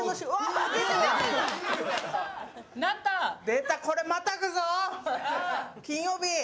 出た、これまたぐぞ、金曜日。